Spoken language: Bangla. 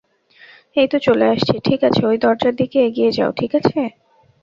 এইতো চলে আসছি ঠিক আছে ঐ দরজার দিকে এগিয়ে যাও ঠিক আছে?